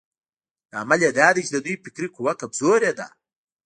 لامل يې دا دی چې د دوی فکري قوه کمزورې ده.